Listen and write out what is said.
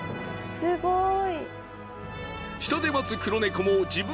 すごい。